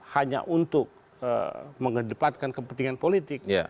hanya untuk mengedepankan kepentingan politik